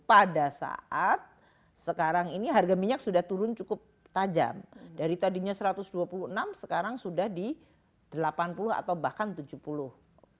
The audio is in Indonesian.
pada saat sekarang ini harga minyak sudah turun cukup tajam dari tadinya satu ratus dua puluh enam dolar sekarang sudah di delapan puluh dolar atau bahkan tujuh puluh dolar